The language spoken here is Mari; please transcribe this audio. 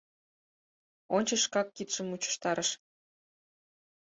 Ончыч шкак кидшым мучыштарыш.